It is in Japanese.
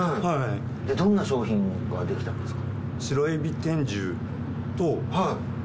でどんな商品ができたんですか？